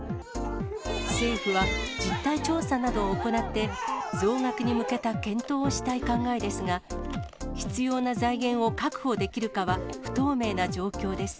政府は実態調査などを行って、増額に向けた検討をしたい考えですが、必要な財源を確保できるかは、不透明な状況です。